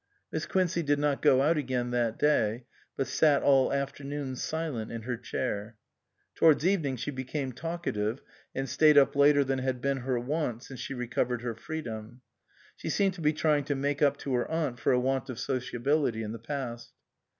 Miss Quincey did not go out again that day, but sat all afternoon silent in her chair. To wards evening she became talkative and stayed up later than had been her wont since she recovered her freedom. She seemed to be trying to make up to her aunt for a want of sociability in the past.